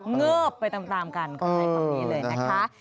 เงิบไปตามกันขอให้ความดีเลยนะคะ